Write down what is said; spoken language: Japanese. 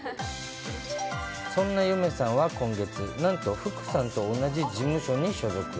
そんな夢さんは今月、なんと福さんと同じ事務所に所属。